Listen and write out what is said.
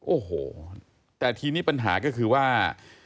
โอ้โหแต่ทีนี้ปัญหาก็คือว่า